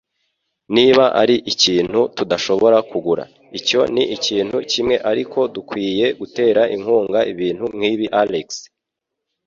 Niba ari ikintu tudashobora kugura, icyo ni ikintu kimwe, ariko dukwiye gutera inkunga ibintu nkibi, Alex.